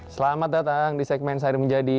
selamat datang di segmen sari menjadi